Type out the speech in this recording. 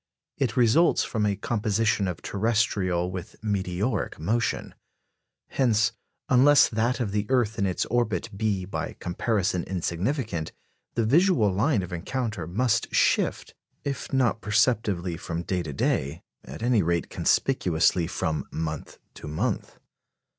It results from a composition of terrestrial with meteoric motion. Hence, unless that of the earth in its orbit be by comparison insignificant, the visual line of encounter must shift, if not perceptibly from day to day, at any rate conspicuously from month to month.